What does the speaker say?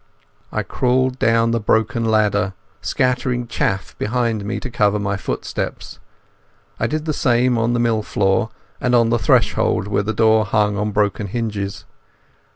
I crawled down the broken ladder, scattering chaff behind me to cover my footsteps. I did the same on the mill floor, and on the threshold where the door hung on broken hinges.